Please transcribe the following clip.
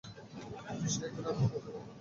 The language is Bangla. সে এখন আর রূপকথার গল্প নয়।